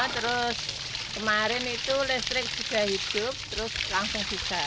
terus kemarin itu listrik sudah hidup terus langsung bisa